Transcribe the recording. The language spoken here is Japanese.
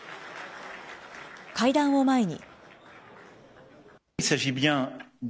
会談を前に。